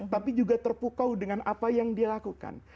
tapi juga terpukau dengan apa yang dia lakukan